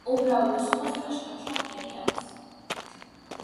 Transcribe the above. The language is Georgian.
უმრავლესობას კაშკაშა ფერი აქვს.